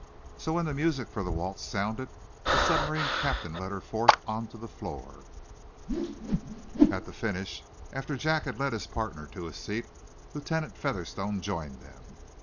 So, when the music for the waltz sounded the submarine captain led her forth on to the floor. At the finish, after Jack had led his partner to a seat, Lieutenant Featherstone joined them.